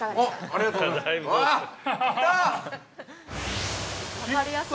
◆ありがとうございます。